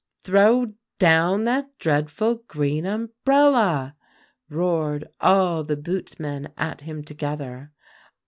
"'Throw down that dreadful green umbrella,' roared all the boot men at him together.